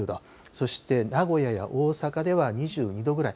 そして名古屋や大阪では２２度ぐらい。